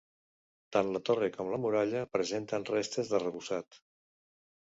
Tant la torre com la muralla presenten restes d'arrebossat.